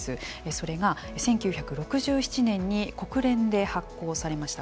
それが１９６７年に国連で発効されました